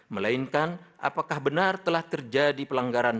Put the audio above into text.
melainkan apakah benar telah terjadi pelanggaran